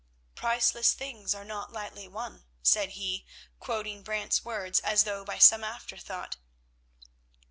"Priceless things are not lightly won," said he, quoting Brant's words as though by some afterthought.